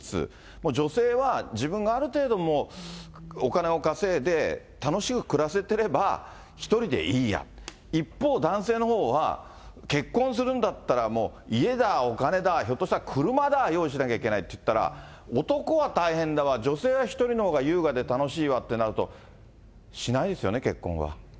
もう女性は自分がある程度、もうお金を稼いで、楽しく暮らせてれば１人でいいや、一方、男性のほうは結婚するんだったら、もう家だ、お金だ、ひょっとしたら車だ用意しなきゃいけないっていったら、男は大変だわ、女性は１人のほうが優雅で楽しいわってなると、しないですよね、結婚は。